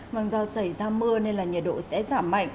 vâng do xảy ra mưa nên là nhiệt độ sẽ giảm mạnh